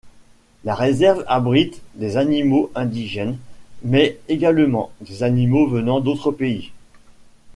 La réserve abrite des animaux indigènes, mais également des animaux venant d'autres pays.